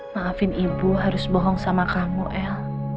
maafin ibu harus bohong sama kamu el